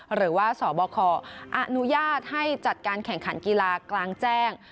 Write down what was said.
หรือว่าสบคอนุญาตให้จัดการแข่งขันกีฬากลางแจ้ง